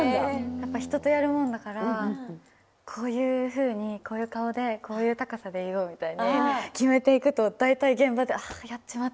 やっぱ人とやるもんだからこういうふうにこういう顔でこういう高さで言おうみたいに決めていくと大体現場で「あやっちまった」って。